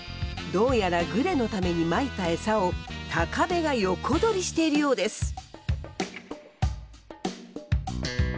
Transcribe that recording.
どうやらグレのためにまいたエサをタカベが横取りしているようです。